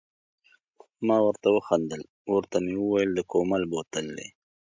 ما ورته و خندل، ورته مې وویل د کومل بوتل دی.